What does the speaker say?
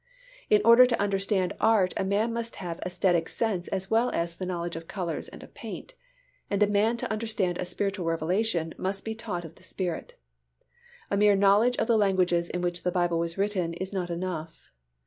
In order to understand art a man must have æsthetic sense as well as the knowledge of colours and of paint, and a man to understand a spiritual revelation must be taught of the Spirit. A mere knowledge of the languages in which the Bible was written is not enough.